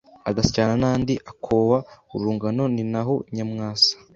Agasyana n’andi akowa ’urungano ni na ho Nyamwasa